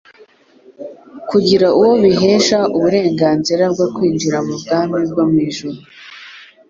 kugira uwo bihesha uburenganzira bwo kwinjira mu bwami bwo mw’ijuru